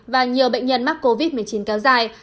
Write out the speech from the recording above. và nhiều bệnh nhân mắc covid một mươi chín kéo dài